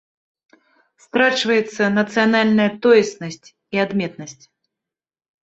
Страчваецца нацыянальная тоеснасць і адметнасць.